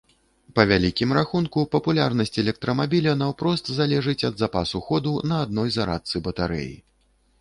Па вялікім рахунку, папулярнасць электрамабіля наўпрост залежыць ад запасу ходу на адной зарадцы батарэі.